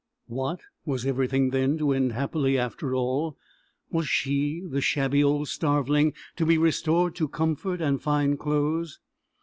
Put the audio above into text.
What! Was everything then to end happily after all? Was she the shabby old starveling to be restored to comfort and fine clothes?